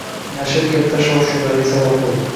Nashr katta shov-shuvlarga sabab bo‘ldi